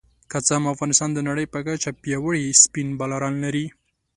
که څه هم افغانستان د نړۍ په کچه پياوړي سپېن بالران لري